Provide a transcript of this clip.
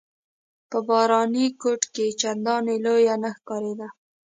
په باراني کوټ کې چنداني لویه نه ښکارېده.